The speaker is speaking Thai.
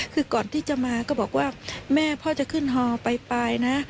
คือก่อนที่จะมาก็บอกว่าแม่พ่อจะขึ้นฮอไปนะ